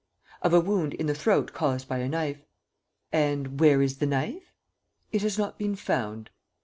"Of a wound in the throat caused by a knife." "And where is the knife?" "It has not been found."